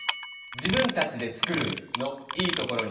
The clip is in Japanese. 「自分たちで作る」の「いいところ」には。